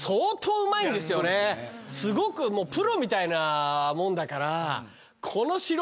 すごくプロみたいなもんだから。